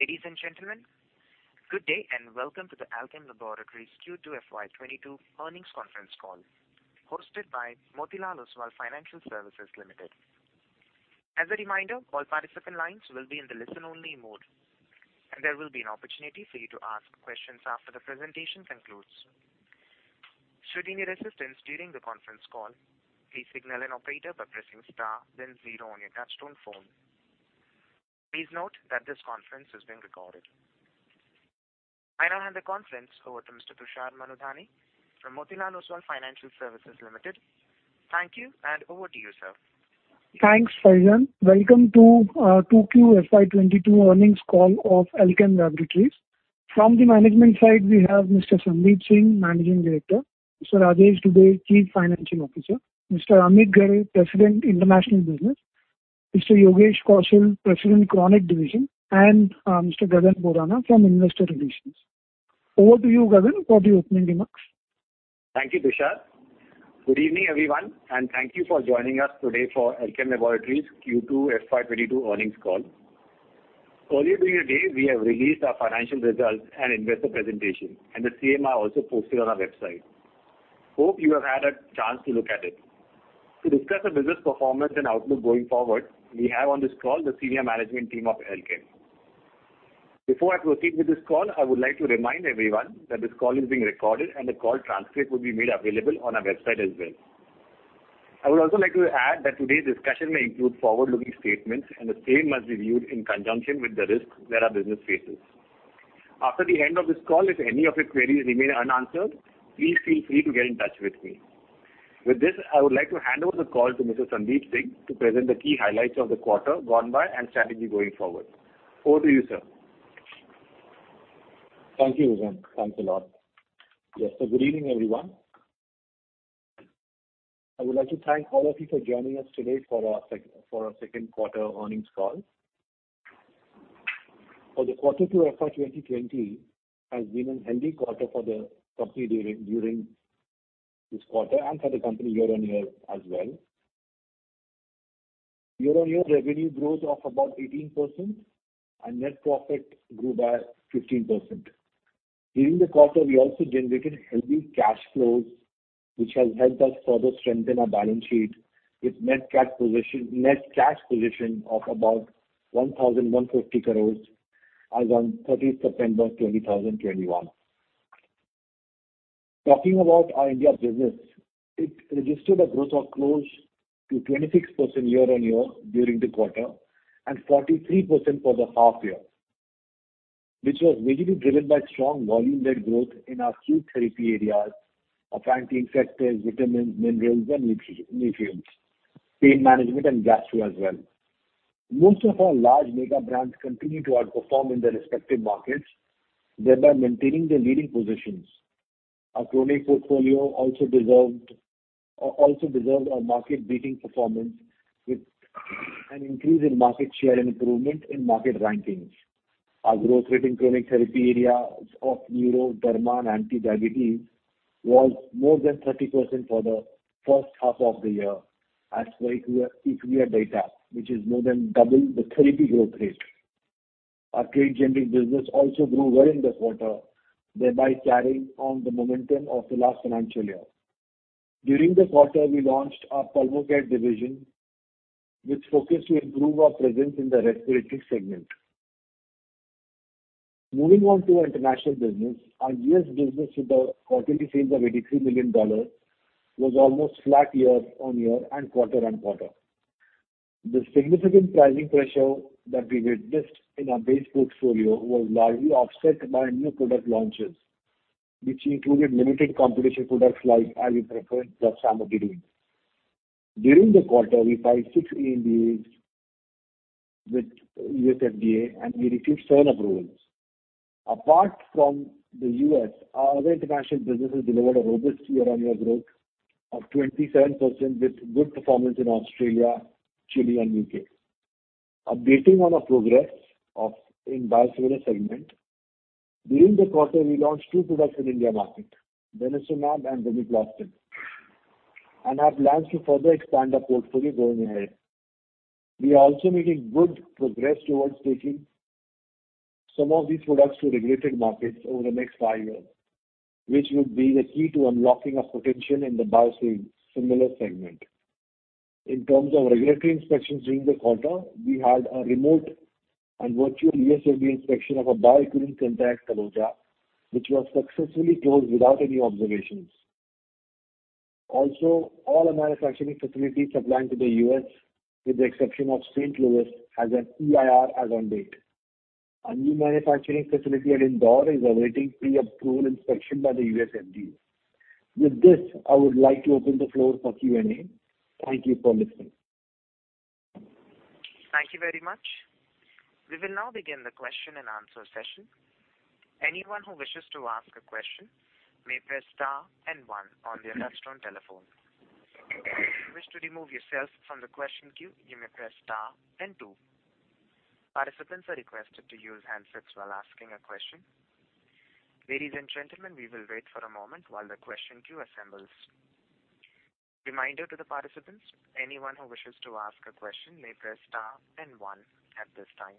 Ladies and gentlemen, good day, and welcome to the Alkem Laboratories Q2 FY 2022 earnings conference call hosted by Motilal Oswal Financial Services Limited. As a reminder, all participant lines will be in the listen only mode, and there will be an opportunity for you to ask questions after the presentation concludes. Should you need assistance during the conference call, please signal an operator by pressing star then zero on your touchtone phone. Please note that this conference is being recorded. I now hand the conference over to Mr. Tushar Manudhane from Motilal Oswal Financial Services Limited. Thank you, and over to you, sir. Thanks, Faizan. Welcome to 2Q FY 2022 earnings call of Alkem Laboratories. From the management side, we have Mr. Sandeep Singh, Managing Director, Mr. Rajesh Dubey, Chief Financial Officer, Mr. Amit Ghare, President, International Business, Mr. Yogesh Kaushal, President, Chronic Division, and Mr. Gagan Julka from Investor Relations. Over to you, Gagan, for the opening remarks. Thank you, Tushar. Good evening, everyone, and thank you for joining us today for Alkem Laboratories Q2 FY 2022 earnings call. Earlier during the day, we have released our financial results and investor presentation, and the same are also posted on our website. Hope you have had a chance to look at it. To discuss our business performance and outlook going forward, we have on this call the senior management team of Alkem. Before I proceed with this call, I would like to remind everyone that this call is being recorded and the call transcript will be made available on our website as well. I would also like to add that today's discussion may include forward-looking statements, and the same must be viewed in conjunction with the risks that our business faces. After the end of this call, if any of your queries remain unanswered, please feel free to get in touch with me. With this, I would like to hand over the call to Mr. Sandeep Singh to present the key highlights of the quarter gone by and strategy going forward. Over to you, sir. Thank you, Gagan. Thanks a lot. Yes. Good evening, everyone. I would like to thank all of you for joining us today for our second quarter earnings call. For the Q2 FY 2020 has been a healthy quarter for the company during this quarter and for the company year-on-year as well. Year-on-year revenue growth of about 18% and net profit grew by 15%. During the quarter, we also generated healthy cash flows, which has helped us further strengthen our balance sheet with net cash position of about 1,150 crores as on 30 September 2021. Talking about our India business, it registered a growth of close to 26% year-on-year during the quarter and 43% for the half year, which was majorly driven by strong volume-led growth in our acute therapy areas, appetite, infections, vitamins, minerals, and nutri-nutrients, pain management and gastro as well. Most of our large mega brands continue to outperform in their respective markets, thereby maintaining their leading positions. Our chronic portfolio also deserved a market-beating performance with an increase in market share and improvement in market rankings. Our growth rate in chronic therapy areas of neuro, derma, and anti-diabetes was more than 30% for the first half of the year as per IQVIA data, which is more than double the therapy growth rate. Our trade generics business also grew well in this quarter, thereby carrying on the momentum of the last financial year. During this quarter, we launched our Pulmocare division, which focused to improve our presence in the respiratory segment. Moving on to our international business, our U.S. business with the quarterly sales of $83 million was almost flat year-on-year and quarter-on-quarter. The significant pricing pressure that we witnessed in our base portfolio was largely offset by new product launches, which included limited competition products like Albuterol/Ipratropium. During the quarter, we filed 6 ANDAs with U.S. FDA and we received 7 approvals. Apart from the U.S., our other international businesses delivered a robust year-on-year growth of 27% with good performance in Australia, Chile, and U.K. Updating on our progress in the biosimilar segment, during the quarter, we launched two products in the Indian market, bevacizumab and Ranibizumab, and have plans to further expand our portfolio going ahead. We are also making good progress towards taking some of these products to regulated markets over the next five years, which would be the key to unlocking our potential in the biosimilar segment. In terms of regulatory inspections during the quarter, we had a remote and virtual U.S. FDA inspection of our Bioequivalence Center, Taloja, which was successfully closed without any observations. Also, all our manufacturing facilities supplying to the U.S., with the exception of St. Louis, has an EIR as on date. Our new manufacturing facility at Indore is awaiting pre-approval inspection by the U.S. FDA. With this, I would like to open the floor for Q&A. Thank you for listening. Thank you very much. We will now begin the question and answer session. Anyone who wishes to ask a question may press star and one on their touchtone telephone. If you wish to remove yourself from the question queue, you may press star and two. Participants are requested to use handsets while asking a question. Ladies and gentlemen, we will wait for a moment while the question queue assembles. Reminder to the participants, anyone who wishes to ask a question may press star and one at this time.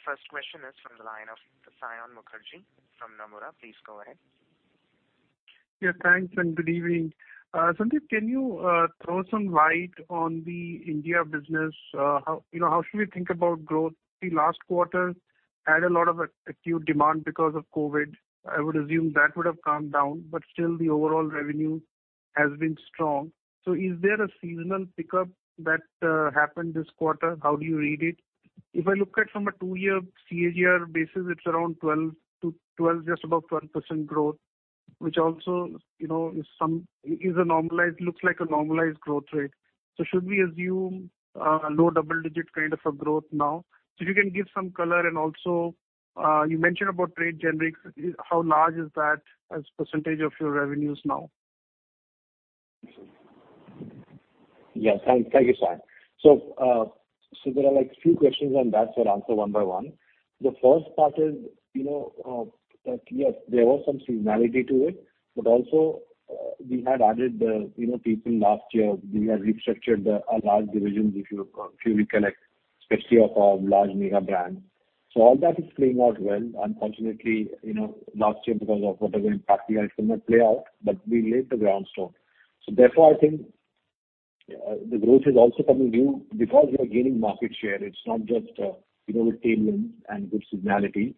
The first question is from the line of Saion Mukherjee from Nomura. Please go ahead. Yeah, thanks, and good evening. Sandeep, can you throw some light on the India business? How, you know, how should we think about growth? The last quarter had a lot of acute demand because of COVID. I would assume that would have calmed down, but still the overall revenue has been strong. Is there a seasonal pickup that happened this quarter? How do you read it? If I look at from a two-year CAGR basis, it's around 12 to 12, just above 12% growth, which also, you know, is a normalized, looks like a normalized growth rate. Should we assume a low double-digit kind of a growth now? If you can give some color, and also, you mentioned about trade generics. How large is that as % of your revenues now? Thank you, Saion. There are, like, few questions on that. I'll answer one by one. The first part is, you know, that, yes, there was some seasonality to it, but also, we had added, you know, people last year. We had restructured our large divisions, if you recollect, especially of our large mega brands. All that is playing out well. Unfortunately, you know, last year, because of what was impacting us, it did not play out, but we laid the ground stone. Therefore, I think, the growth is also coming new because we are gaining market share. It's not just, you know, with tailwinds and good seasonality.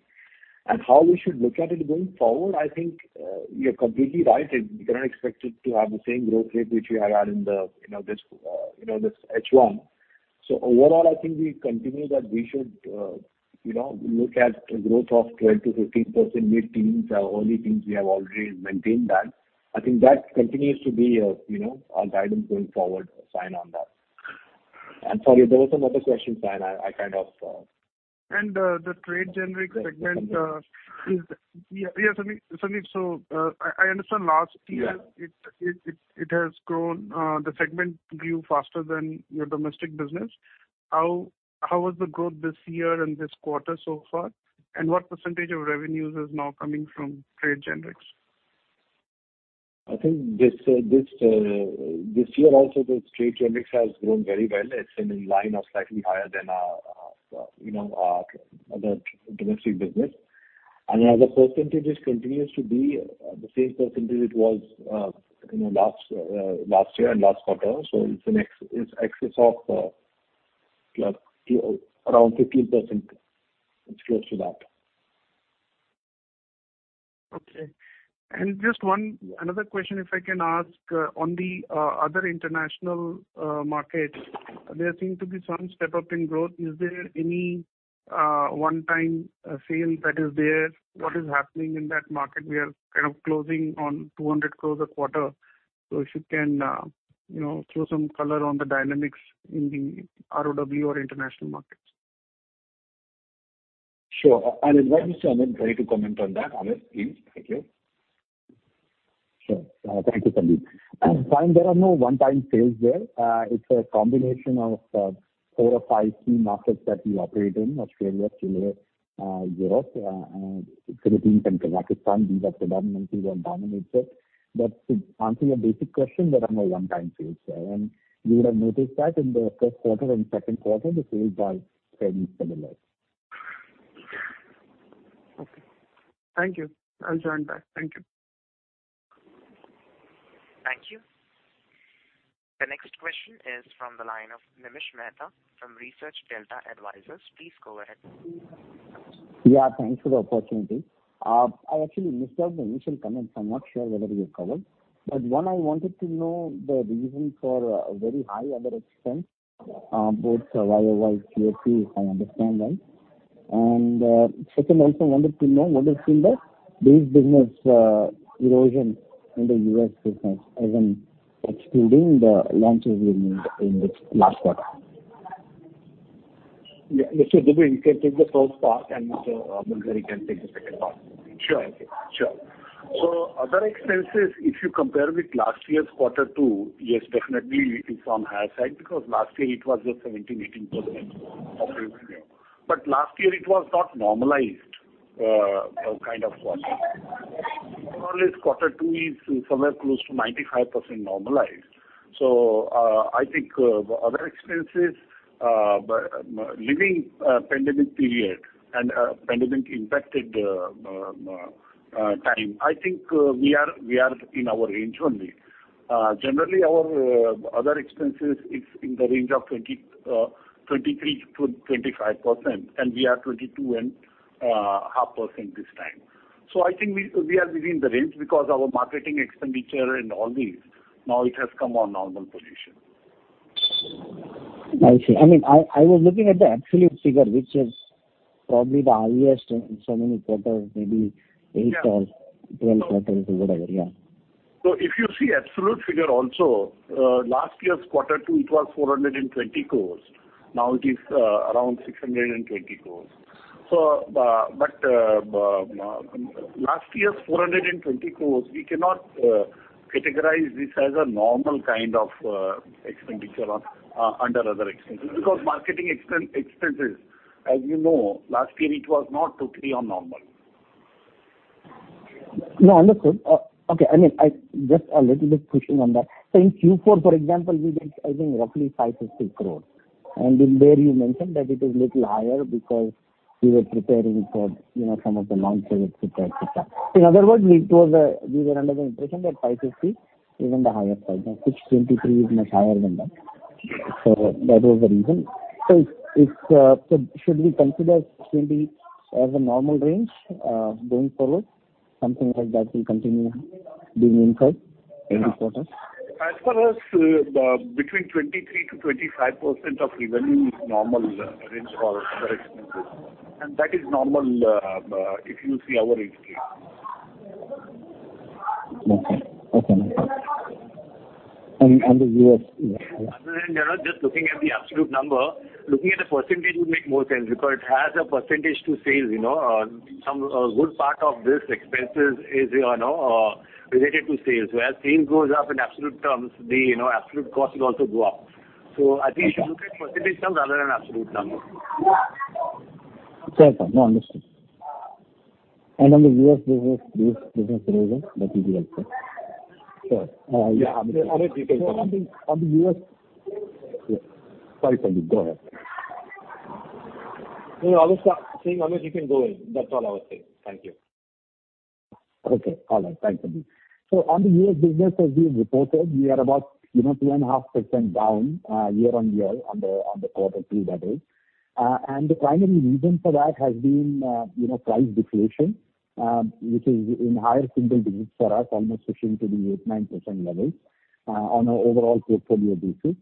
How we should look at it going forward, I think, you're completely right. We cannot expect it to have the same growth rate which we had in the, you know, this, you know, this H1. Overall, I think we continue that we should, you know, look at growth of 12%-15% mid-teens, are only things we have already maintained that. I think that continues to be, you know, our guidance going forward, Saion, on that. Sorry, there was another question, Saion. I kind of The trade generics segment is. Yeah, yeah, Sandeep. Sandeep, so I understand last year. Yeah. It has grown, the segment grew faster than your domestic business. How was the growth this year and this quarter so far? And what percentage of revenues is now coming from trade generics? I think this year also, the trade generics has grown very well. It's in line or slightly higher than our domestic business. As a percentage, it continues to be the same percentage it was last year and last quarter. It's in excess of, like, around 15%. It's close to that. Okay. Just one another question, if I can ask. On the other international markets, there seem to be some step up in growth. Is there any one-time sale that is there? What is happening in that market? We are kind of closing on 200 crores a quarter. If you can, you know, throw some color on the dynamics in the ROW or international markets. Sure. I'll invite Mr. Amit Ghare to comment on that. Amit, please. Thank you. Sure. Thank you, Sandeep. Saion, there are no one-time sales there. It's a combination of four or five key markets that we operate in, Australia, Chile, Europe, Philippines, and Pakistan. These are predominantly our dominators. To answer your basic question, there are no one-time sales there. You would have noticed that in the first quarter and second quarter, the sales are fairly similar. Okay. Thank you. I'll join back. Thank you. Thank you. The next question is from the line of Nimish Mehta from Research Delta Advisors. Please go ahead. Yeah, thanks for the opportunity. I actually missed out the initial comments. I'm not sure whether you've covered. One, I wanted to know the reason for a very high other expense, both YOY QoQ, I understand that. Second, also wanted to know what has been the base business erosion in the U.S. business, even excluding the launches we made in this last quarter. Mr. Rajesh Dubey, you can take the first part, and Mr. Amit Ghare can take the second part. Sure. Other expenses, if you compare with last year's quarter two, yes, definitely it is on higher side because last year it was just 17-18% of revenue. Last year it was not normalized kind of quarter. Normally, it's quarter two is somewhere close to 95% normalized. I think other expenses, barring the pandemic period and pandemic impacted time, I think we are in our range only. Generally our other expenses is in the range of 23%-25%, and we are 22.5% this time. I think we are within the range because our marketing expenditure and all these, now it has come on normal position. I see. I mean, I was looking at the absolute figure, which is probably the highest in so many quarters, maybe eight or- Yeah. 12 quarters or whatever. Yeah. If you see absolute figure also, last year's quarter two, it was 420 crores. Now it is around 620 crores. Last year's 420 crores, we cannot categorize this as a normal kind of expenditure under other expenses because marketing expenses, as you know, last year it was not totally on normal. No, understood. Okay. I mean, just a little bit pushing on that. In Q4, for example, we did, I think, roughly 5 crore-6 crore. In there, you mentioned that it is little higher because you were preparing for, you know, some of the launches, et cetera. In other words, it was, we were under the impression that 5.50 is in the higher side. Now, 6.23 is much higher than that. That was the reason. Should we consider 60 as a normal range going forward, something like that will continue being incurred every quarter? As far as, between 23%-25% of revenue is normal range for other expenses, and that is normal, if you see our history. Okay. The U.S. Other than, you know, just looking at the absolute number, looking at the percentage will make more sense because it has a percentage to sales, you know. Some, a good part of this expenses is, you know, related to sales. Where sales goes up in absolute terms, the, you know, absolute costs will also go up. I think Sure. You should look at percentage terms rather than absolute numbers. Fair point. No, understood. On the U.S. business, U.S. business division, that would be helpful. Yeah, Amit, you can go ahead. On the U.S. Sorry, Sandeep. Go ahead. No, Amit, seeing Amit, you can go in. That's all I would say. Thank you. Okay. All right. Thanks, Sandeep. On the U.S. business, as we have reported, we are about, you know, 2.5% down year-on-year on the quarter, that is. The primary reason for that has been, you know, price deflation, which is in higher single digits for us, almost pushing to the 8%-9% levels on our overall portfolio basis.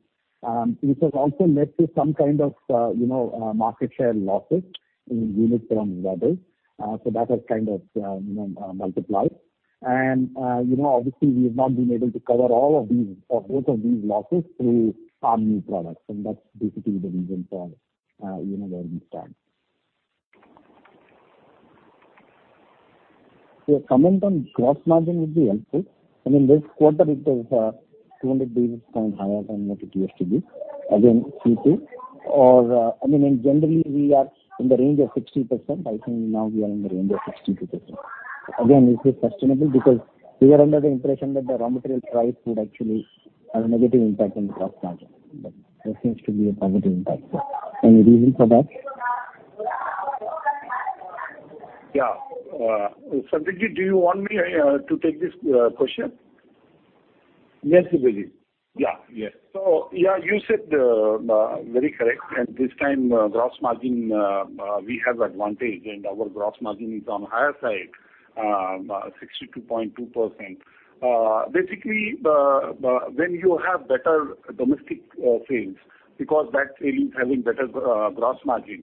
This has also led to some kind of, you know, market share losses in unit terms, that is, so that has kind of multiplied. You know, obviously, we've not been able to cover all of these or both of these losses through our new products, and that's basically the reason for, you know, where we stand. A comment on gross margin would be helpful. I mean, this quarter it is 200 basis points higher than what it used to be. Again, Q2 or I mean in general we are in the range of 60%. I think now we are in the range of 62%. Again, is this sustainable? Because we are under the impression that the raw material price would actually have a negative impact on the gross margin, but there seems to be a positive impact. Any reason for that? Yeah. Sandeep, do you want me to take this question? Yes, Rajesh Dubey. Yeah. Yes. Yeah, you said, very correct. At this time, gross margin, we have advantage, and our gross margin is on higher side, 62.2%. Basically, when you have better domestic sales because that sale is having better gross margin,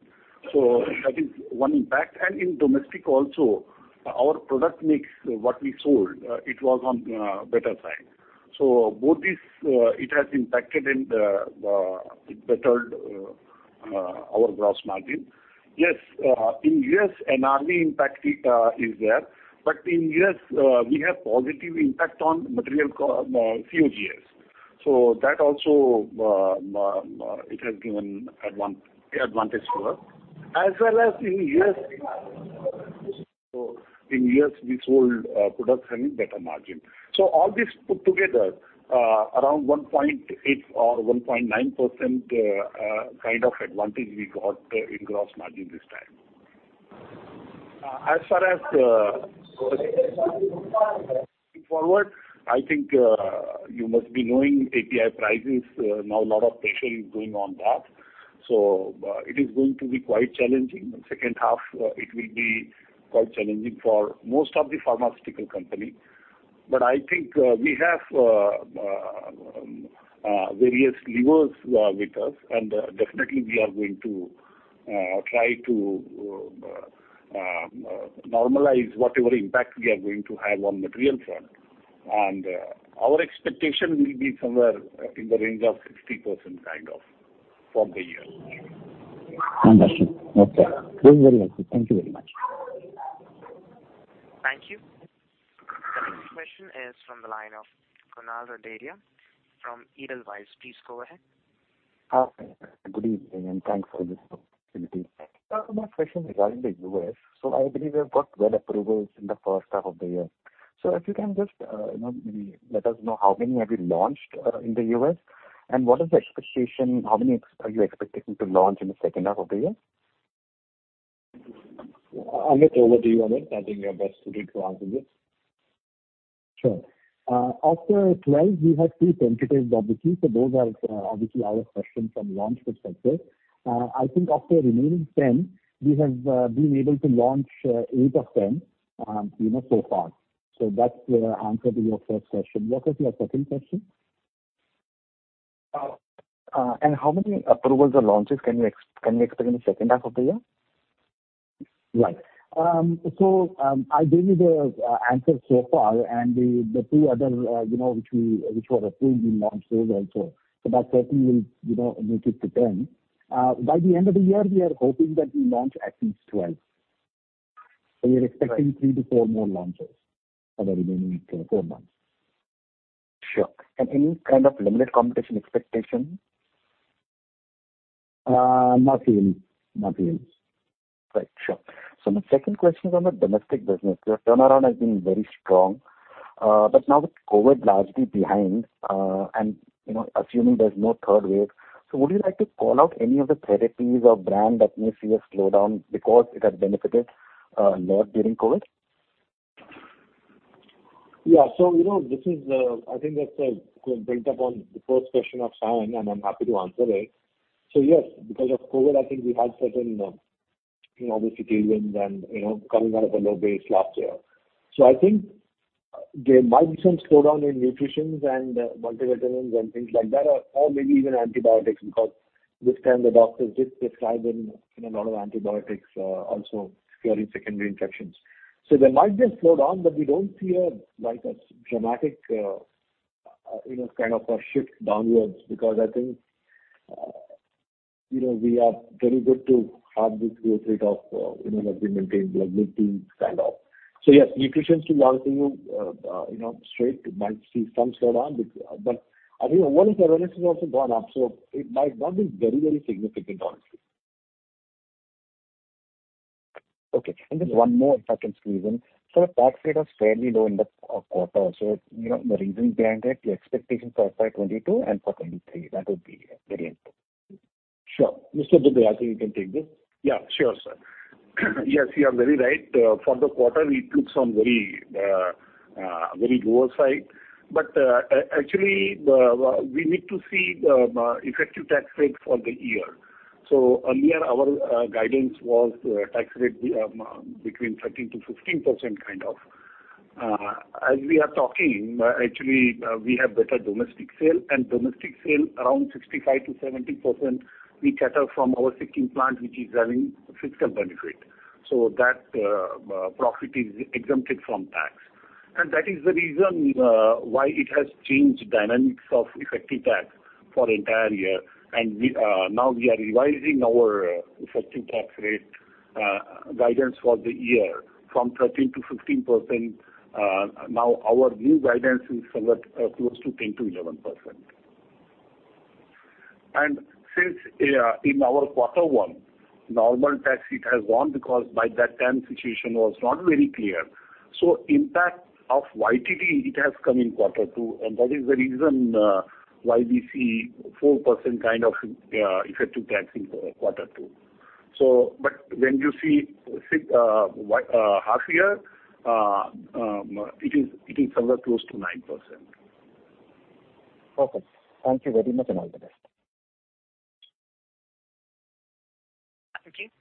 that is one impact. In domestic also, our product mix, what we sold, it was on better side. Both these, it has impacted and it bettered our gross margin. Yes, in U.S., an adverse impact, it is there. But in U.S., we have positive impact on material cost and COGS. That also, it has given advantage to us. As well as in U.S., we sold products having better margin. All this put together, around 1.8% or 1.9% kind of advantage we got in gross margin this time. As far as forward, I think you must be knowing API prices now a lot of pressure is going on that. It is going to be quite challenging. In second half, it will be quite challenging for most of the pharmaceutical company. I think we have various levers with us, and definitely we are going to try to normalize whatever impact we are going to have on material front. Our expectation will be somewhere in the range of 60% kind of for the year. Understood. Okay. That's very helpful. Thank you very much. Thank you. The next question is from the line of Kunal Randeria from Edelweiss. Please go ahead. Good evening, and thanks for this opportunity. Sir, my question regarding the U.S. I believe you've got 12 approvals in the first half of the year. If you can just, you know, maybe let us know how many have you launched in the U.S., and what is the expectation, how many are you expecting to launch in the second half of the year? Amit, over to you, Amit. I think you are best suited to answer this. Sure. Of the 12, we had three penetrated obviously, so those are obviously out of question from launch perspective. I think of the remaining 10, we have been able to launch eight of them, you know, so far. So that's the answer to your first question. What was your second question? How many approvals or launches can we expect in the second half of the year? Right. I gave you the answer so far, and the two other, you know, which were approved, we launch those also. So that certainly will, you know, make it to 10. By the end of the year, we are hoping that we launch at least 12. We are expecting 3-4 more launches over the remaining 4 months. Sure. Any kind of limited competition expectation? Nothing. Right. Sure. My second question is on the domestic business. Your turnaround has been very strong. Now with COVID largely behind, and you know, assuming there's no third wave, so would you like to call out any of the therapies or brand that may see a slowdown because it has benefited more during COVID? Yeah. You know, this is, I think that's built upon the first question of Saion, and I'm happy to answer it. Yes, because of COVID, I think we had certain, you know, situations and, you know, coming out of a low base last year. I think there might be some slowdown in nutritionals and multivitamins and things like that, or maybe even antibiotics, because this time the doctors did prescribe them, you know, a lot of antibiotics, also curing secondary infections. There might be a slowdown, but we don't see a, like, a dramatic, you know, kind of a shift downwards because I think, you know, we are very good to have this growth rate of, you know, that we maintain, like good to stand up. Yes, nutritions will obviously, you know, straight might see some slowdown, but I think awareness has also gone up, so it might not be very, very significant, honestly. Okay. Just one more, if I can squeeze in. The tax rate was fairly low in the quarter. You know, the reason behind it, the expectation for FY 2022 and for 2023, that would be very helpful. Sure. Mr. Dubey, I think you can take this. Yeah. Sure, sir. Yes, you are very right. For the quarter we took some very lower side. Actually, we need to see the effective tax rate for the year. Earlier our guidance was tax rate between 13%-15% kind of. As we are talking, actually, we have better domestic sale, and domestic sale around 65%-70% we cater from our Sikkim plant, which is having fiscal benefit. That profit is exempted from tax. That is the reason why it has changed dynamics of effective tax for entire year. We now we are revising our effective tax rate guidance for the year from 13%-15%. Now our new guidance is somewhat close to 10%-11%. Since in our quarter one, normal tax it has gone because by that time situation was not very clear. Impact of YTD it has come in quarter two, and that is the reason why we see 4% kind of effective tax in quarter two. When you see half year, it is somewhere close to 9%. Perfect. Thank you very much, and all the best. Thank you.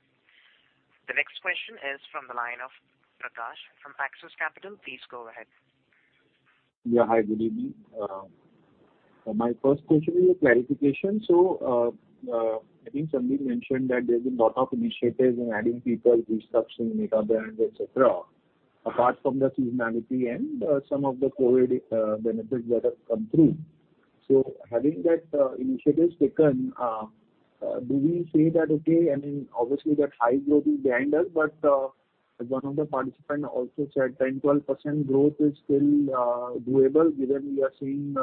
The next question is from the line of Prakash from Axis Capital. Please go ahead. Yeah. Hi. Good evening. My first question is a clarification. I think Sandeep mentioned that there's a lot of initiatives in adding people, restructuring mega brands, et cetera, apart from the seasonality and some of the COVID benefits that have come through. Having that initiatives taken, do we say that, okay, I mean, obviously that high growth is behind us, but one of the participant also said 10%-12% growth is still doable given we are seeing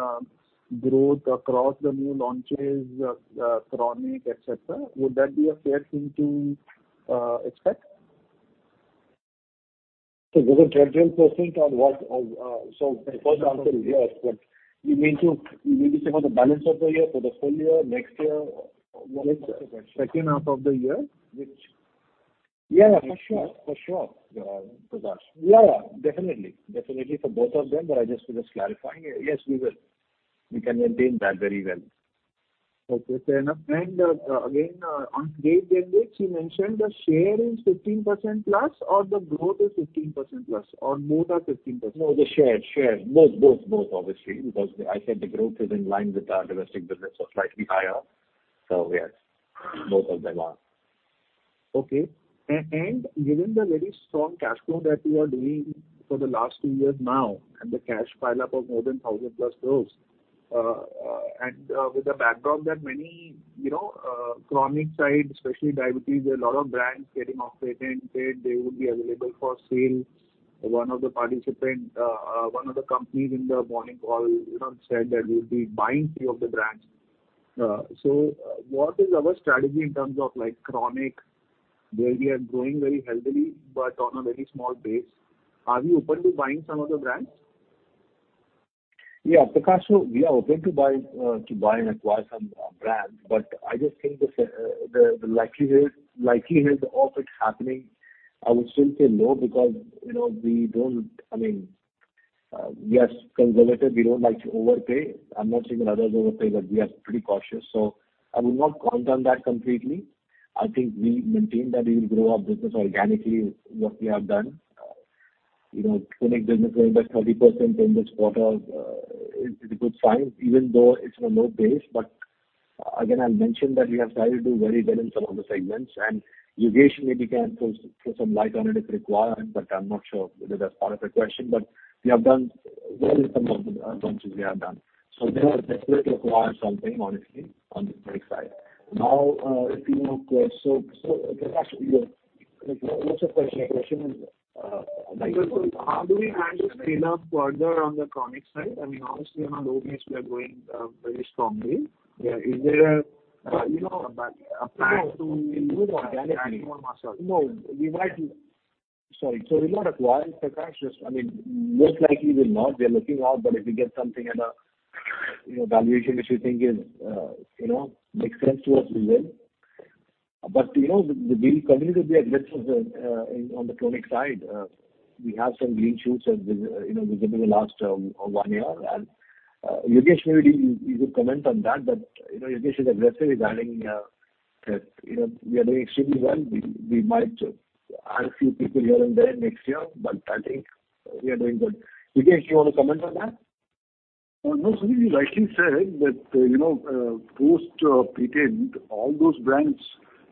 growth across the new launches, chronic, et cetera. Would that be a fair thing to expect? Was it 10, 12% or what? The first answer is yes, but you mean to say for the balance of the year, for the full year, next year? What is the question? Second half of the year, which Yeah, for sure, Prakash. Yeah, definitely for both of them, but I just was clarifying. Yes, we will. We can maintain that very well. Okay. Fair enough. Again, on trade generics, you mentioned the share is 15% plus or the growth is 15% plus or both are 15%? No, the share. Both obviously, because I said the growth is in line with our domestic business or slightly higher. Yes, both of them are. Given the very strong cash flow that you are doing for the last two years now, and the cash pile up of more than 1,000+ crores, with the backdrop that many, you know, chronic side, especially diabetes, a lot of brands getting off patent date, they would be available for sale. One of the companies in the morning call, you know, said that we'll be buying 3 of the brands. What is our strategy in terms of like chronic, where we are growing very healthy but on a very small base. Are we open to buying some of the brands? Yeah, Prakash. We are open to buy and acquire some brands, but I just think the likelihood of it happening, I would still say low because, you know, we don't. I mean, we are conservative. We don't like to overpay. I'm not saying that others overpay, but we are pretty cautious. I would not count on that completely. I think we maintain that we will grow our business organically with what we have done. You know, clinic business going by 30% in this quarter is a good sign even though it's on low base. I mentioned that we have started to do very well in some of the segments, and Yogesh maybe can throw some light on it if required, but I'm not sure whether that's part of the question. We have done. They are desperate to acquire something honestly on this side. Now, you know, Prakash, like, what's your question? Your question is, How do we plan to scale up further on the chronic side? I mean, obviously on the opioids we are growing very strongly. Yeah. Is there a, you know, a plan to We might acquire. I mean, most likely we'll not. We are looking out, but if we get something at a you know valuation which we think is you know makes sense to us, we will. You know, the company will be aggressive on the chronic side. We have some green shoots in the you know within the last one year. Yogesh, maybe you could comment on that. You know, Yogesh is aggressive regarding you know we are doing extremely well. We might add a few people here and there next year, but I think we are doing good. Yogesh, you wanna comment on that? No, Sandeep, you rightly said that, you know, post patent, all those brands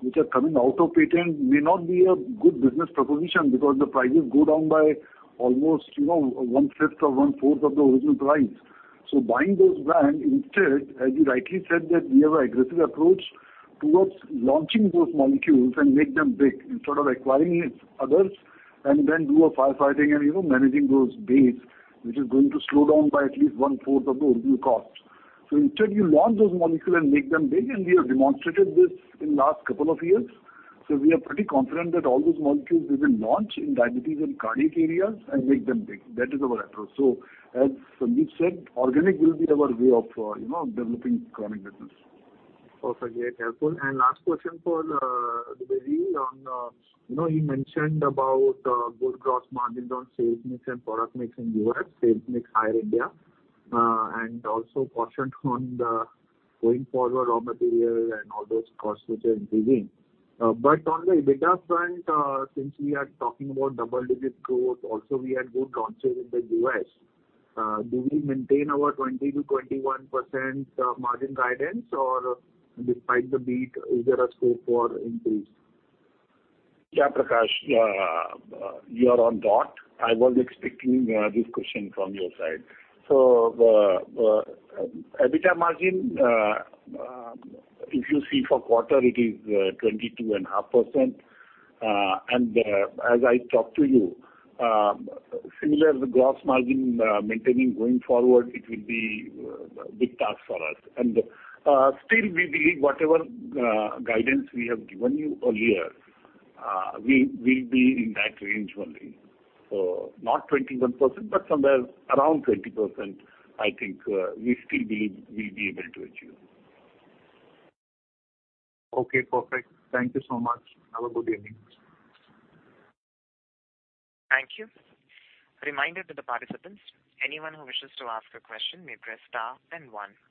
which are coming out of patent may not be a good business proposition because the prices go down by almost, you know, one-fifth or one-fourth of the original price. Buying those brands instead, as you rightly said, that we have an aggressive approach towards launching those molecules and make them big instead of acquiring others and then do firefighting and, you know, managing those brands, which is going to slow down by at least one-fourth of the original cost. Instead you launch those molecules and make them big, and we have demonstrated this in last couple of years. We are pretty confident that all those molecules we will launch in diabetes and cardiac areas and make them big. That is our approach. As Sandeep said, organic will be our way of, you know, developing chronic business. Perfect. Helpful. Last question for Sandeep on, you know, you mentioned about good gross margins on sales mix and product mix in U.S., sales mix higher India, and also cautioned on the going forward raw material and all those costs which are increasing. But on the EBITDA front, since we are talking about double-digit growth, also we had good launches in the U.S., do we maintain our 20%-21% margin guidance? Or despite the beat, is there a scope for increase? Yeah, Prakash. You are on. I was expecting this question from your side. The EBITDA margin, if you see for quarter it is 22.5%. As I talked to you, similar the gross margin maintaining going forward, it will be big task for us. Still we believe whatever guidance we have given you earlier, we will be in that range only. Not 21%, but somewhere around 20% I think, we still believe we'll be able to achieve. Okay, perfect. Thank you so much. Have a good evening. Thank you. Reminder to the participants, anyone who wishes to ask a question may press star then one. The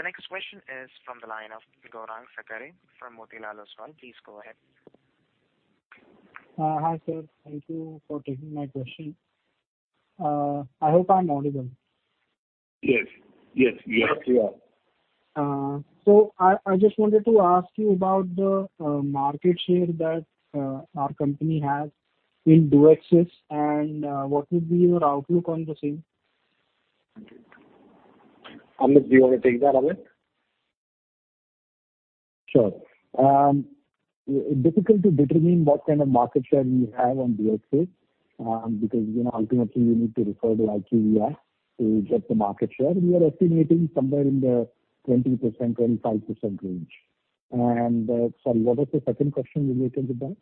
next question is from the line of Gaurang Sakare from Motilal Oswal. Please go ahead. Hi, sir. Thank you for taking my question. I hope I'm audible. Yes, you are. I just wanted to ask you about the market share that our company has in doxepin and what would be your outlook on the same? Amit, do you wanna take that Amit? Sure. Difficult to determine what kind of market share we have on doxepin, because, you know, ultimately you need to refer to IQVIA to get the market share. We are estimating somewhere in the 20%-25% range. Sorry, what was the second question related with that?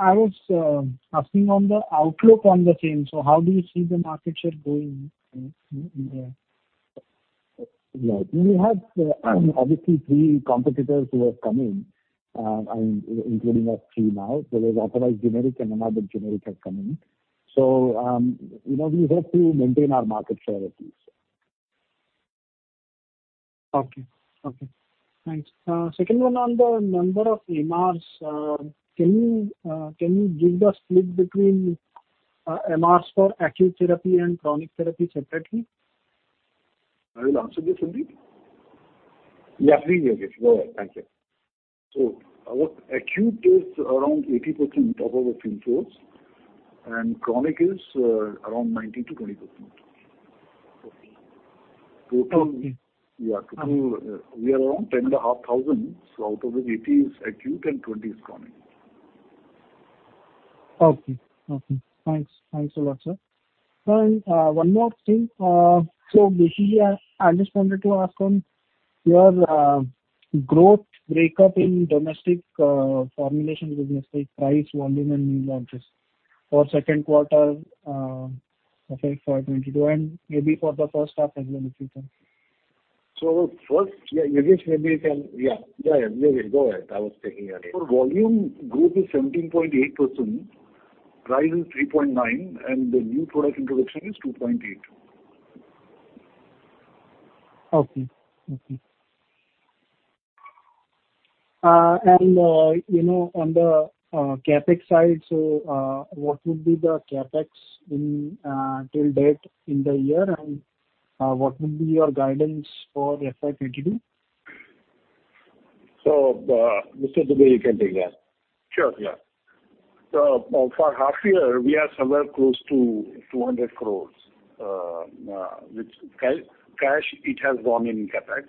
I was asking on the outlook on the same. How do you see the market share going in, yeah? Yeah. We have obviously three competitors who have come in, and including us three now. There's authorized generic and another generic have come in. You know, we have to maintain our market share at least. Okay. Thanks. Second one on the number of MRs. Can you give the split between MRs for acute therapy and chronic therapy separately? I will answer this, Sandeep. Yeah, please go ahead. Go ahead. Thank you. Our acute is around 80% of our team force, and chronic is around 19%-20%. Okay. Total, yeah, we are around 10,500. Out of it, 80% is acute and 20% is chronic. Okay. Thanks a lot, sir. One more thing. So basically, I just wanted to ask on your growth breakup in domestic formulation business, like price, volume and new launches for second quarter of FY 2022, and maybe for the first half as well, if you can. First, yeah, Yogesh, maybe you can go ahead. I was taking your name. Volume growth is 17.8%, price is 3.9%, and the new product introduction is 2.8%. you know, on the CapEx side, what would be the CapEx till date in the year, and what would be your guidance for FY 2022? Mr. Dubey, you can take that. Sure, yeah. For half year, we are somewhere close to 200 crore, which cash has gone in CapEx.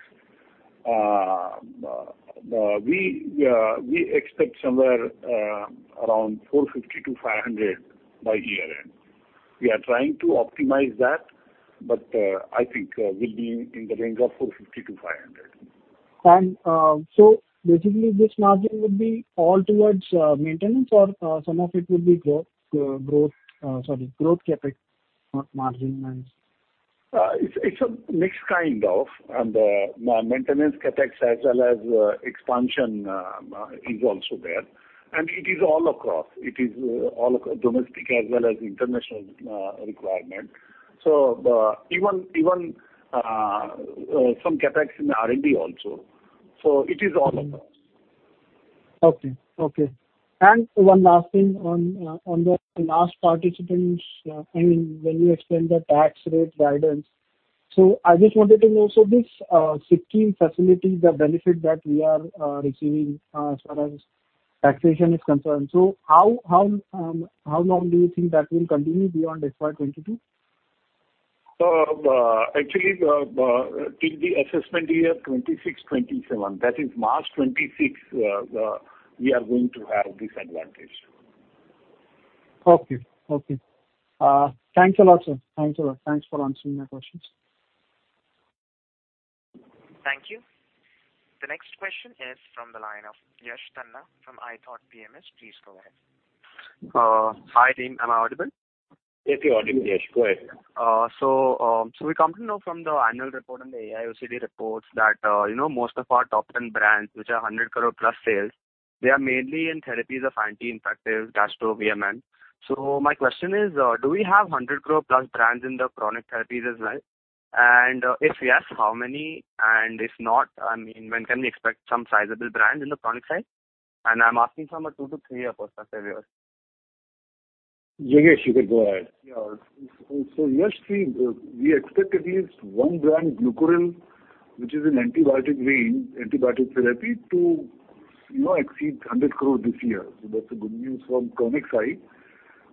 We expect somewhere around 450 crore-500 crore by year-end. We are trying to optimize that, but I think we'll be in the range of 450 crore-500 crore. Basically this margin would be all towards maintenance or some of it will be growth. Growth CapEx margin? It's a mixed kind of, and maintenance CapEx as well as expansion is also there. It is all across domestic as well as international requirement. Even some CapEx in R&D also. It is all of those. Okay. One last thing on the last participants, I mean, when you explained the tax rate guidance. I just wanted to know, so this Sikkim facility, the benefit that we are receiving, as far as taxation is concerned. How long do you think that will continue beyond FY 2022? Actually, till the assessment year 2026-27, that is March 2026, we are going to have this advantage. Okay. Thanks a lot, sir. Thanks a lot. Thanks for answering my questions. Thank you. The next question is from the line of Yash Tanna from ithought PMS. Please go ahead. Hi, team. Am I audible? Yes, you're audible, Yash. Go ahead. We come to know from the annual report and the AIOCD reports that, you know, most of our top ten brands, which are 100 crore plus sales, they are mainly in therapies of anti-infectives, gastro, VMN. My question is, do we have 100 crore plus brands in the chronic therapies as well? If yes, how many? If not, I mean, when can we expect some sizable brands in the chronic side? I'm asking from a 2-3 year perspective here. Yash, you can go ahead. Yeah. Yash, we expect at least one brand, Clavam, which is an antibiotic range, antibiotic therapy, to you know exceed 100 crore this year. That's a good news from chronic side.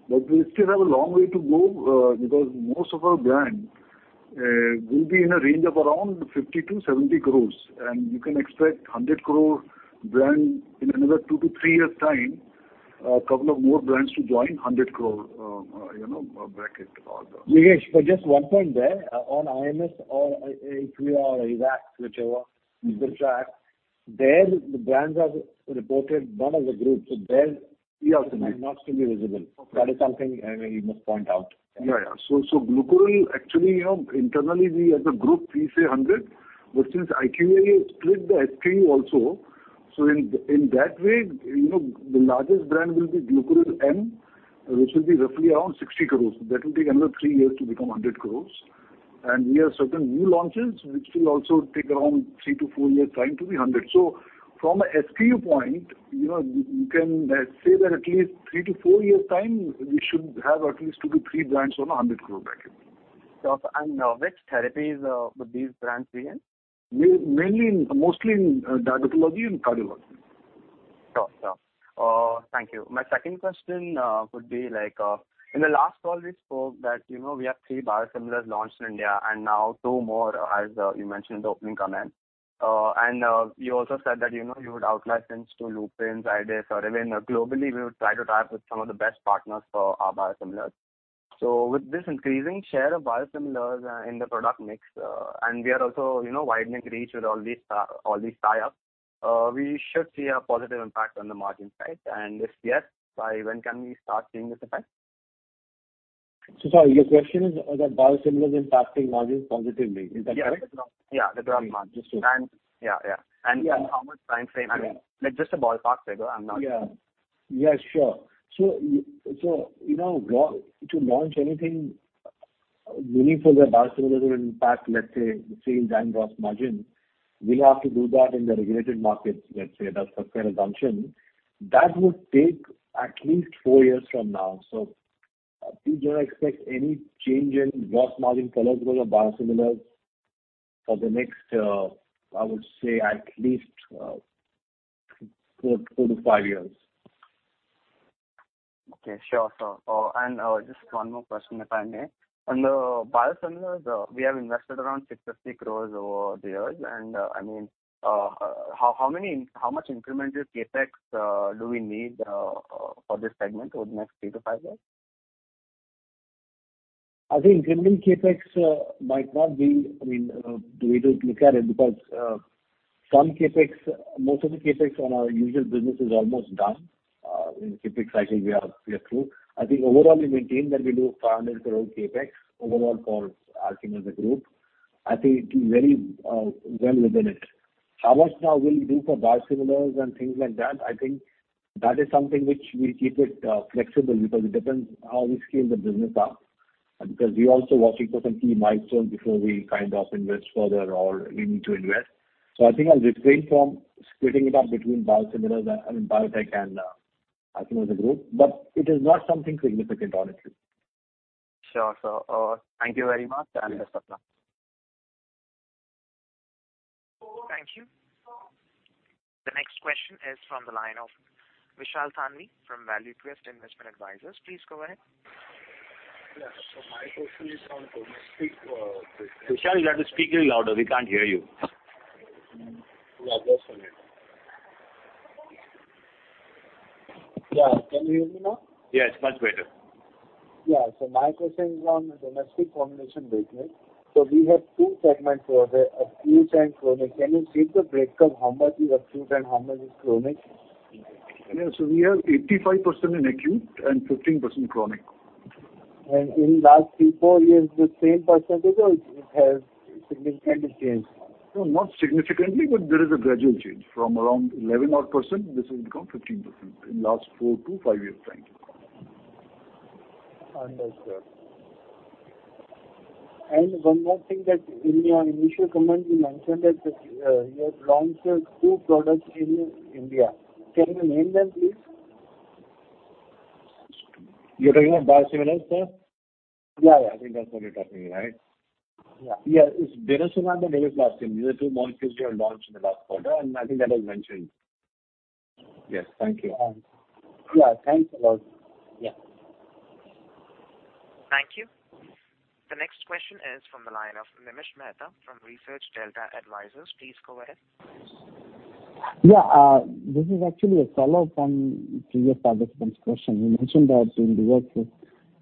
We still have a long way to go, because most of our brands will be in a range of around 50 crore-70 crore. You can expect 100 crore brand in another 2-3 years' time, a couple of more brands to join 100 crore bracket. Yash, just one point there. On IMS or IQVIA, whichever you wish to add, there the brands are reported as one group. There we are not fully visible. That is something you must point out. Yeah, yeah. Clavam actually you know internally we as a group we say 100. Since IQVIA has split the SKU also, in that way, you know, the largest brand will be Clavam O, which will be roughly around 60 crore. That will take another three years to become 100 crore. We have certain new launches which will also take around 3-4 years' time to be 100. From a SKU point, you know, you can say that at least 3-4 years' time, we should have at least 2-3 brands on a 100 crore bracket. Sure. Which therapies would these brands be in? Mainly in, mostly in diabetology and cardiology. Sure. Sure. Thank you. My second question would be like, in the last call we spoke that, you know, we have three biosimilars launched in India, and now two more as you mentioned in the opening comment. You also said that, you know, you would out-license to Lupin, Zydus or even globally we would try to tie up with some of the best partners for our biosimilars. With this increasing share of biosimilars in the product mix, and we are also, you know, widening reach with all these tie-ups, we should see a positive impact on the margin side. If yes, by when can we start seeing this effect? Sorry, your question is, are the biosimilars impacting margins positively? Is that correct? Yeah. The gross margin. Just to- Yeah, yeah. Yeah. In how much time frame? I mean, like just a ballpark figure. You know, to launch anything meaningful that biosimilar will impact, let's say, the sales and gross margin, we'll have to do that in the regulated markets, let's say. That's a fair assumption. That would take at least four years from now. Please don't expect any change in gross margin colors because of biosimilars for the next, I would say at least, four to five years. Okay. Sure, sir. Just one more question, if I may. On the biosimilars, we have invested around 650 crores over the years. I mean, how much incremental CapEx do we need for this segment over the next 3-5 years? I think incremental CapEx might not be, I mean, the way to look at it because some CapEx, most of the CapEx on our usual business is almost done. In CapEx cycle we are through. I think overall we maintain that we do 500 crore CapEx overall for Alkem as a group. I think it is very well within it. How much now we'll do for biosimilars and things like that, I think that is something which we keep it flexible because it depends how we scale the business up. Because we're also watching for some key milestones before we kind of invest further or needing to invest. I think I'll refrain from splitting it up between biosimilars and, I mean, biotech and Alkem as a group, but it is not something significant, honestly. Sure, sir. Thank you very much and best of luck. Thank you. The next question is from the line of Vishal Thanvi from ValueQuest Investment Advisors. Please go ahead. Yes. My question is on domestic business. Vishal, you'll have to speak a little louder. We can't hear you. Yeah, just one minute. Yeah. Can you hear me now? Yeah, it's much better. Yeah. My question is on the domestic combination business. We have two segments over there, acute and chronic. Can you give the breakup, how much is acute and how much is chronic? Yeah. We have 85% in acute and 15% chronic. In last 3, 4 years, the same percentage or it has significantly changed? No, not significantly, but there is a gradual change. From around 11 odd %, this has become 15% in last 4-5 years' time. Understood. One more thing that in your initial comment you mentioned that, you have launched, two products in India. Can you name them, please? You're talking about biosimilars, sir? Yeah, yeah. I think that's what you're talking, right? Yeah. Yeah. It's Ranibizumab and bevacizumab. These are two molecules we have launched in the last quarter, and I think that was mentioned. Yes. Thank you. Yeah. Thanks a lot. Yeah. Thank you. The next question is from the line of Nimish Mehta from Research Delta Advisors. Please go ahead. Yeah. This is actually a follow-up from previous participant's question. You mentioned that in the U.S.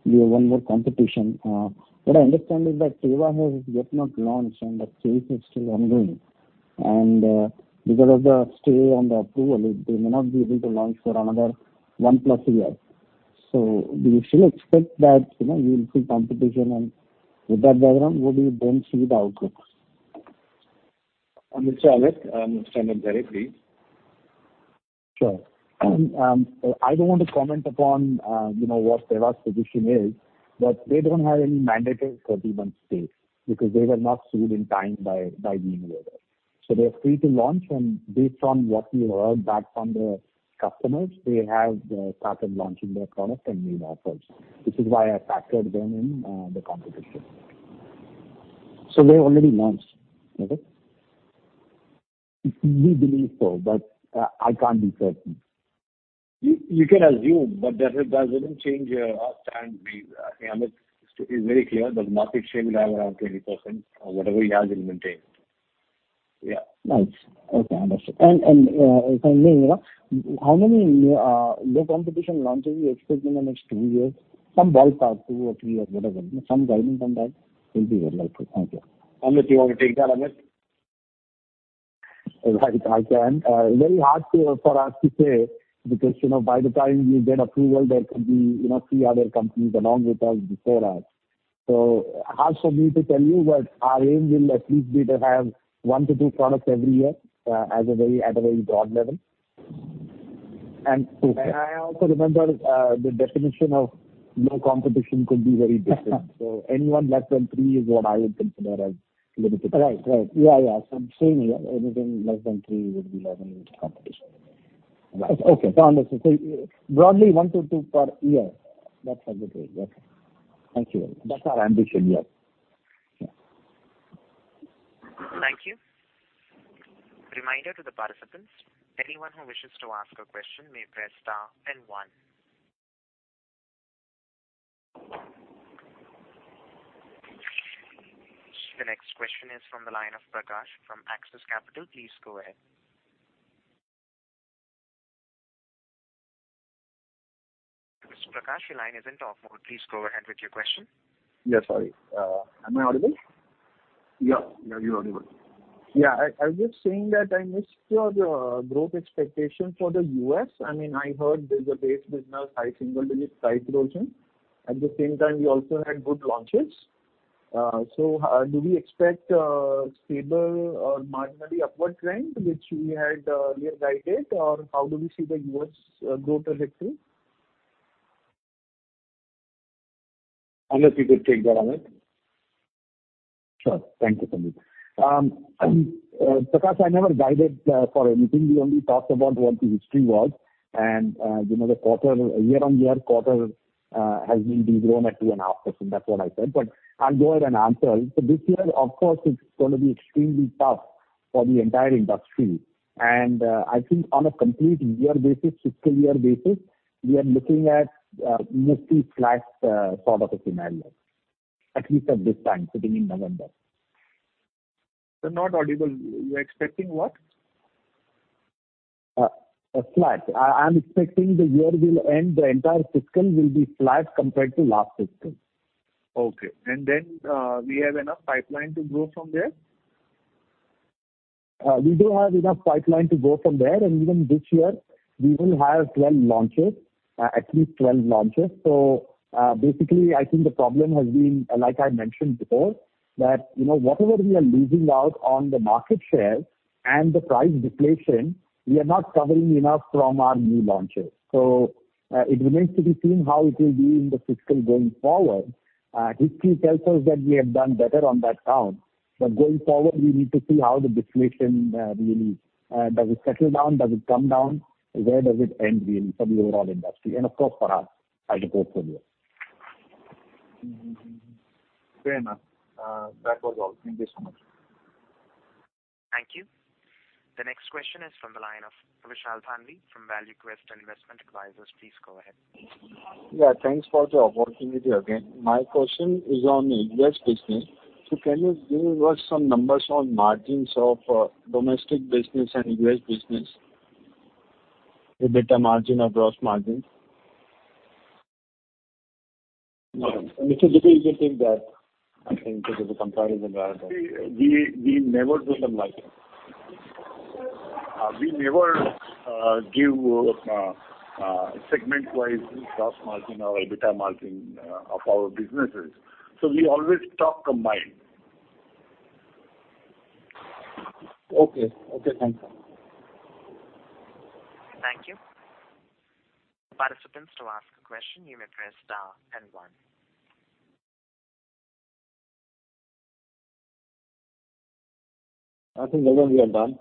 you have one more competition. What I understand is that Teva has yet not launched and the case is still ongoing. Because of the stay on the approval, they may not be able to launch for another 1+ year. Do you still expect that, you know, you will see competition? With that background, what do you then see the outlook? Mr. Amit, I'm understanding very clear. Sure. I don't want to comment upon, you know, what Teva's position is, but they don't have any mandated 30-month stay because they were not sued in time by the innovator. They're free to launch, and based on what we heard back from the customers, they have started launching their product and made efforts. This is why I factored them in the competition. They're already launched. Okay. We believe so, but I can't be certain. You can assume, but that wouldn't change your outstanding. I think Amit is very clear. The market share will have around 20%. Whatever he has, he'll maintain. Yeah. Nice. Okay, understood. If I may, how many low competition launches you expect in the next two years? Some ballpark, two or three or whatever. Some guidance on that will be very helpful. Thank you. Amit, you wanna take that, Amit? Right. I can. Very hard for us to say because, you know, by the time we get approval there could be, you know, 3 other companies along with us before us. So hard for me to tell you, but our aim will at least be to have 1-2 products every year, at a very broad level. I also remember, the definition of low competition could be very different. So anyone less than 3 is what I would consider as limited competition. Right. Right. Yeah, yeah. Same here. Anything less than three would be low competition. Right. Okay. Understood. Broadly 1-2 per year. That's how it is. Okay. Thank you. That's our ambition, yes. Yeah. The next question is from the line of Prakash from Axis Capital. Please go ahead. Mr. Prakash, your line is in off mode. Please go ahead with your question. Yes, sorry. Am I audible? Yeah. Yeah, you're audible. Yeah. I was just saying that I missed your growth expectation for the U.S. I mean, I heard there's a base business, high single digits, high teens. At the same time, you also had good launches. Do we expect stable or marginally upward trend which we had your guidance or how do we see the U.S. growth trajectory? Amit, you could take that, Amit. Sure. Thank you, Sandeep. Prakash, I never guided for anything. We only talked about what the history was. You know, the quarter year-on-year has indeed grown at 2.5%. That's what I said. I'll go ahead and answer. This year, of course, it's gonna be extremely tough for the entire industry. I think on a complete year basis, fiscal year basis, we are looking at mostly flat sort of a scenario, at least at this time, sitting in November. You're not audible. You're expecting what? A flat. I'm expecting the year will end, the entire fiscal will be flat compared to last fiscal. Okay. We have enough pipeline to grow from there? We do have enough pipeline to go from there. Even this year we will have 12 launches, at least 12 launches. Basically, I think the problem has been, like I mentioned before, that, you know, whatever we are losing out on the market share and the price deflation, we are not covering enough from our new launches. It remains to be seen how it will be in the fiscal going forward. History tells us that we have done better on that count. Going forward, we need to see how the deflation really does it settle down? Does it come down? Where does it end really for the overall industry and of course for us as a portfolio. Fair enough. That was all. Thank you so much. Thank you. The next question is from the line of Vishal Thanvi from ValueQuest Investment Advisors. Please go ahead. Yeah. Thanks for the opportunity again. My question is on U.S. business. Can you give us some numbers on margins of domestic business and U.S. business? EBITDA margin or gross margin? No. It is a difficult thing that I think because the comparison. We never do the margin. We never give segment-wise gross margin or EBITDA margin of our businesses. We always talk combined. Okay. Okay, thanks. Thank you. Participants, to ask a question you may press star then one. I think, Faizan, we are done.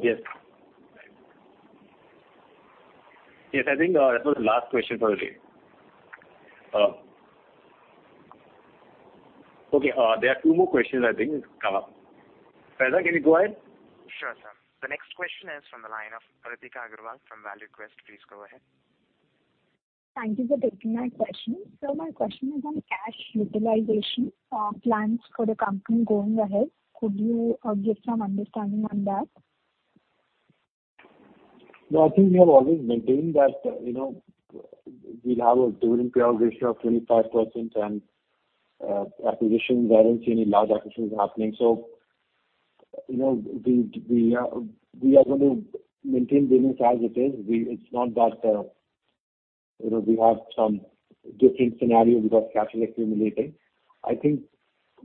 Yes. Yes, I think that was the last question for the day. Okay, there are two more questions I think have come up. Faizan, can you go ahead? Sure, sir. The next question is from the line of Ritika Agarwal from Valuequest. Please go ahead. Thank you for taking my question. Sir, my question is on cash utilization plans for the company going ahead. Could you give some understanding on that? No, I think we have always maintained that, you know, we'll have a dividend payout ratio of 25% and acquisition, I don't see any large acquisitions happening. So, you know, we are gonna maintain business as it is. It's not that, you know, we have some different scenario because cash is accumulating. I think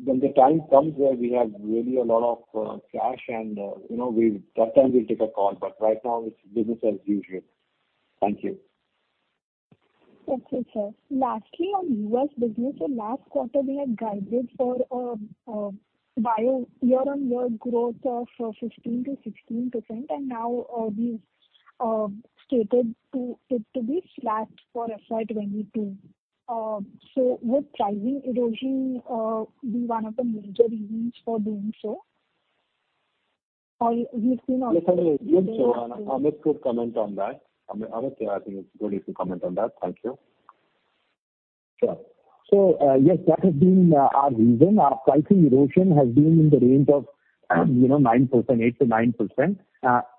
when the time comes where we have really a lot of cash and, you know, that time we'll take a call. Right now it's business as usual. Thank you. Okay, sir. Lastly, on U.S. business, last quarter we had guided for high year-on-year growth of 15%-16%, and now we've stated it to be flat for FY 2022. Would pricing erosion be one of the major reasons for doing so? Or we've seen also- Listen, it is good. Amit could comment on that. Amit, I think it's good if you comment on that. Thank you. Sure. Yes, that has been our reason. Our pricing erosion has been in the range of, you know, 9%, 8%-9%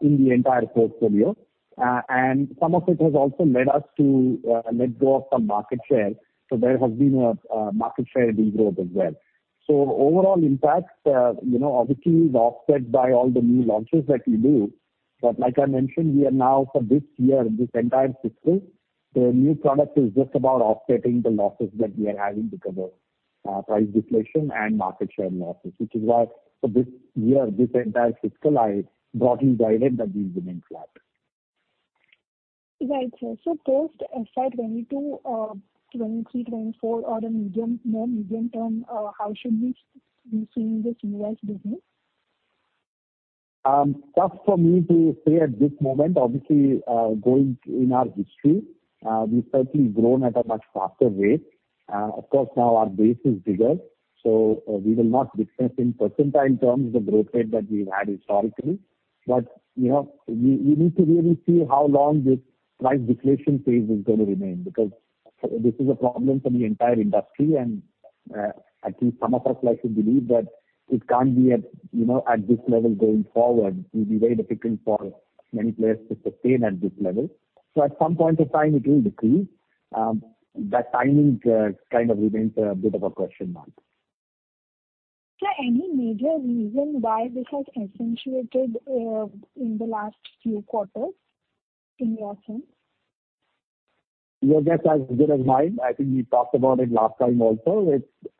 in the entire portfolio. Some of it has also led us to let go of some market share. There has been a market share de-growth as well. Overall impact, you know, obviously is offset by all the new launches that we do. Like I mentioned, we are now for this year, this entire fiscal, the new product is just about offsetting the losses that we are having because of price deflation and market share losses, which is why for this year, this entire fiscal, I broadly guided that we will remain flat. Right, sir. Post FY 2022, 2023, 2024 or the medium, more medium term, how should we be seeing this U.S. business? Tough for me to say at this moment. Obviously, going in our history, we've certainly grown at a much faster rate. Of course now our base is bigger, so we will not discuss in percentages in terms of the growth rate that we've had historically. But, you know, we need to really see how long this price deflation phase is gonna remain, because this is a problem for the entire industry and, at least some of us like to believe that it can't be at, you know, at this level going forward. It will be very difficult for many players to sustain at this level. At some point of time it will decrease. That timing kind of remains a bit of a question mark. Is there any major reason why this has accentuated in the last few quarters in your sense? Your guess is as good as mine. I think we talked about it last time also.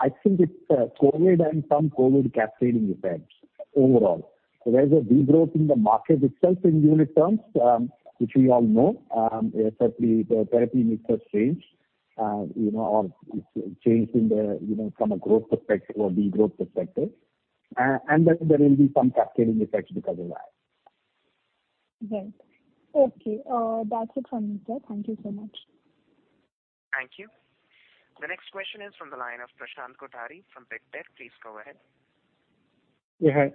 I think it's COVID and some COVID cascading effects overall. There's a de-growth in the market itself in unit terms, which we all know. Certainly the therapy mix has changed, you know, or it's changed in the, you know, from a growth perspective or de-growth perspective. There will be some cascading effects because of that. Right. Okay. That's it from me, sir. Thank you so much. Thank you. The next question is from the line of Prashant Kothari from Big 4. Please go ahead. Yeah.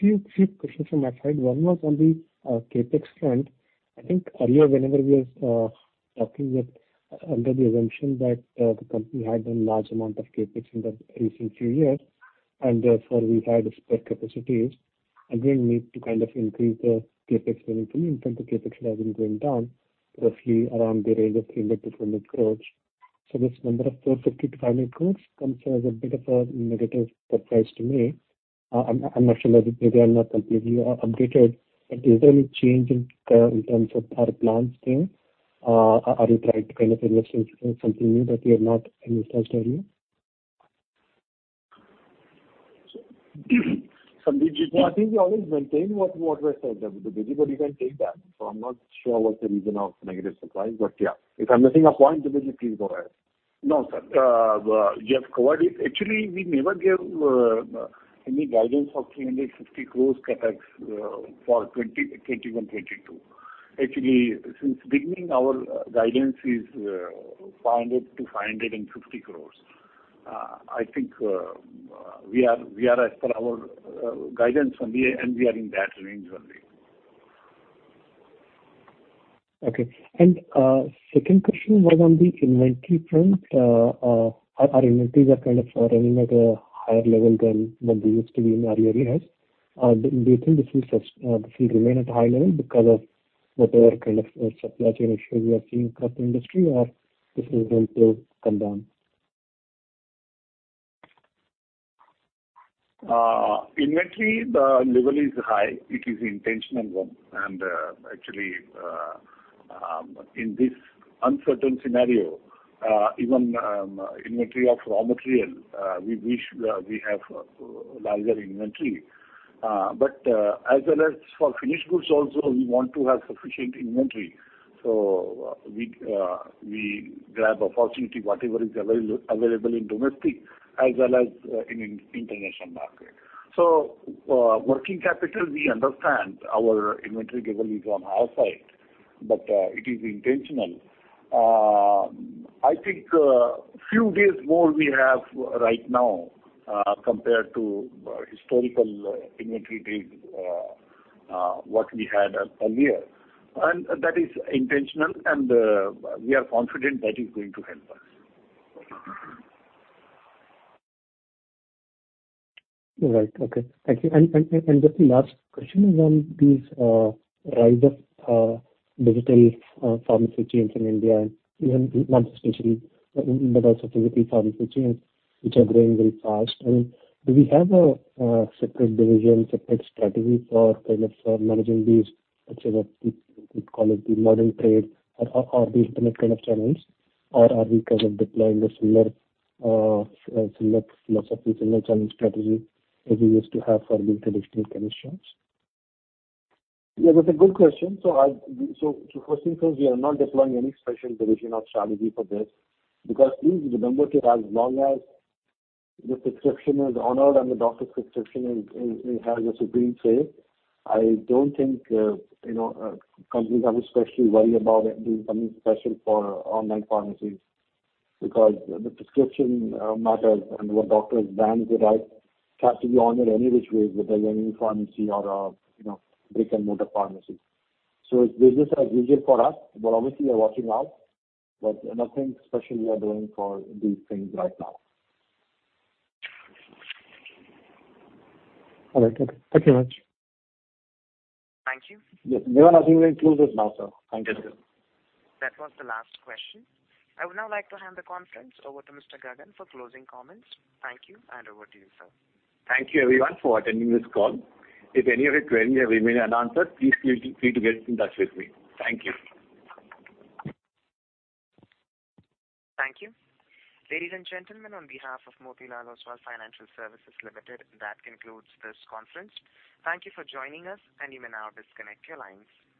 Few questions from my side. One was on the CapEx front. I think earlier whenever we was talking with under the assumption that the company had done large amount of CapEx in the recent few years, and therefore we had spare capacities, and we need to kind of increase the CapEx spending. From the CapEx level going down roughly around the range of 300-400 crores. So this number of 450-500 crores comes as a bit of a negative surprise to me. I'm not sure maybe I'm not completely updated, but is there any change in terms of our plans there? Are you trying to kind of invest into something new that we have not researched earlier? Rajesh Dubey No, I think we always maintain what we said, Prashant. Rajesh Dubey, what do you guys think that? I'm not sure what's the reason of negative surprise, but yeah. If I'm missing a point, Rajesh Dubey, please go ahead. No, sir. We have covered it. Actually, we never gave any guidance of 350 crore CapEx for 2021-2022. Actually, since beginning, our guidance is 500 crore-550 crore. I think we are as per our guidance only, and we are in that range only. Okay. Second question was on the inventory front. Our inventories are kind of running at a higher level than what they used to be in earlier years. Do you think this will remain at a high level because of whatever kind of supply chain issues we are seeing across the industry or this is going to come down? The inventory level is high. It is intentional one. Actually, in this uncertain scenario, even inventory of raw material, we wish we have larger inventory. As well as for finished goods also, we want to have sufficient inventory. We grab opportunity, whatever is available in domestic as well as in international market. Working capital, we understand our inventory level is on higher side, but it is intentional. I think few days more we have right now compared to historical inventory days what we had earlier. That is intentional, and we are confident that is going to help us. All right. Okay. Thank you. Just the last question is on these rise of digital pharmacy chains in India, even not especially, but also digital pharmacy chains which are growing very fast. I mean, do we have a separate division, separate strategy for kind of managing these, let's say, what we could call it, the modern trade or the internet kind of channels? Or are we kind of deploying the similar philosophy, similar channel strategy as we used to have for the traditional clinicians? Yeah, that's a good question. First things first, we are not deploying any special division or strategy for this because please remember that as long as the prescription is honored and the doctor's prescription, it has a supreme say. I don't think you know, companies have to especially worry about it, doing something special for online pharmacies. Because the prescription matters and what doctors pen is right has to be honored any which way, whether any pharmacy or you know, brick and mortar pharmacy. It's business as usual for us. Obviously we are watching out. Nothing special we are doing for these things right now. All right. Okay. Thank you very much. Thank you. Yes. Faizan, I think we'll close it now, sir. Thank you, sir. That was the last question. I would now like to hand the conference over to Mr. Gagan for closing comments. Thank you, and over to you, sir. Thank you everyone for attending this call. If any of your queries remain unanswered, please feel free to get in touch with me. Thank you. Thank you. Ladies and gentlemen, on behalf of Motilal Oswal Financial Services Limited, that concludes this conference. Thank you for joining us, and you may now disconnect your lines.